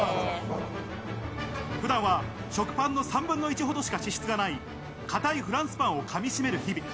普段は食パンの３分の１ほどしか脂質がない、硬いフランスパンをかみしめる日々。